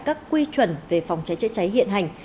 các quy chuẩn về phòng cháy chữa cháy hiện hành